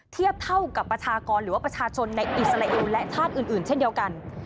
เทียบเท่ากับประชากรหรือว่าประชาชนในอิสราเอลและชาติอื่นเช่นเดียวกัน